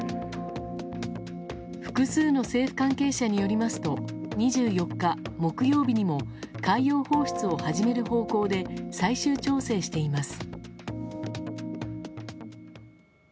複数の政府関係者によりますと２４日、木曜日にも海洋放出を始める方向で最終調整しています。